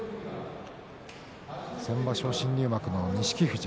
先場所、新入幕の錦富士